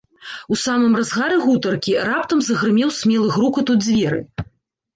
У самым разгары гутаркі раптам загрымеў смелы грукат у дзверы.